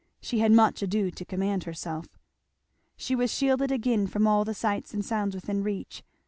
She had much ado to command herself. She was shielded again from all the sights and sounds within reach.